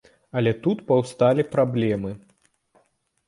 Але тут паўсталі праблемы.